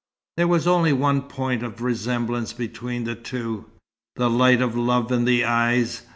There was only one point of resemblance between the two: the light of love in the eyes.